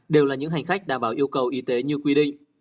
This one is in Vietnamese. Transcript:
đều là những hành khách đảm bảo yêu cầu y tế như quy định